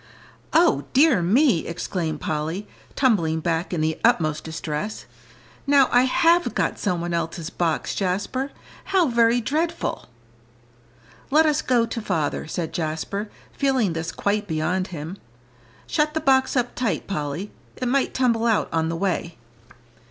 "O dear me!" exclaimed Polly, tumbling back in the utmost distress, "now I have got some one else's box, Jasper. How very dreadful!" "Let us go to father," said Jasper, feeling this quite beyond him. "Shut the box up tight, Polly; it might tumble out on the way."